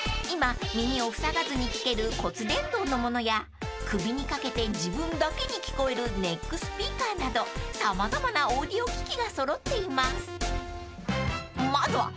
［今耳をふさがずに聞ける骨伝導のものや首に掛けて自分だけに聞こえるネックスピーカーなど様々なオーディオ機器が揃っています］